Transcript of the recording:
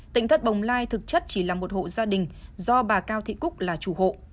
tỉnh thất bồng lai thực chất chỉ là một hộ gia đình do bà cao thị cúc là chủ hộ